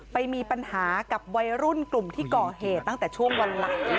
ไปมีปัญหากับวัยรุ่นกลุ่มที่ก่อเหตุตั้งแต่ช่วงวันหลัง